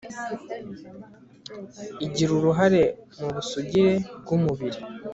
igira uruhare mubusugire bw'umubiri